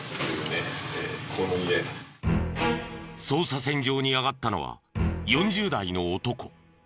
捜査線上にあがったのは４０代の男。